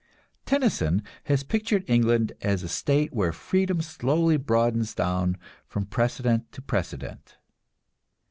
Tennyson has pictured England as a state "where freedom slowly broadens down from precedent to precedent."